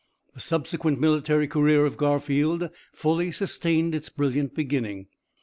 "The subsequent military career of Garfield fully sustained its brilliant beginning.